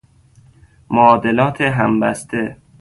معادلات همبسته